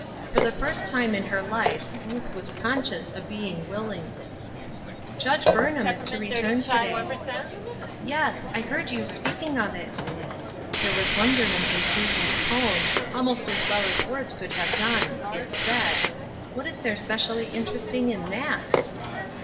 For the first time in her life Ruth was conscious of being willing. " Judge Burnham is to return to day." Shadowed Joys, 247 " Yes , I heard you speaking of it." There was wonderment in Susan's tone, almost as well as words could have done. It said: " What is there specially interesting in that